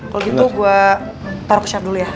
kalo gitu gue taro ke chef dulu ya